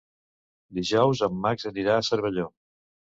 Dijous en Max anirà a Cervelló.